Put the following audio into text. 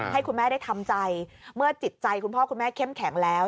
ให้คุณแม่ได้ทำใจเมื่อจิตใจคุณพ่อคุณแม่เข้มแข็งแล้ว